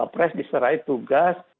pres diserai tugas